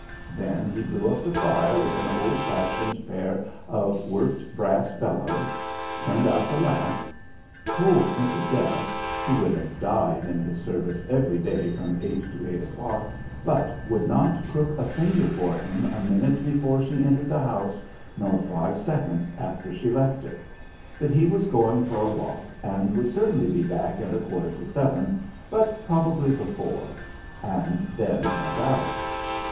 Then he blew up the fire with an old fashioned pair of worked brass bellows; turned out the lamp; told Mrs. Derrick who would have died in his service every day from eight to eight o'clock, but would not crook a finger for him a minute before she entered the house nor five seconds after she left it that he was going for a walk and would certainly be back at a quarter to seven, but probably before; and then went out.